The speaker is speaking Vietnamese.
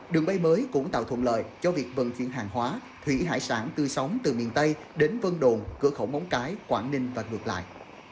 đường bay mới cũng tạo thuận lợi cho việc vận chuyển hàng hóa thủy hải sản tươi sống từ miền tây đến vân đồn cửa khẩu móng cái quảng ninh và ngược lại